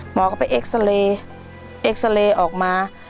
หมอก็ไปเอ็กซาเลออกมา